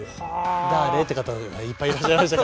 だれ？って方いっぱいいらっしゃいました。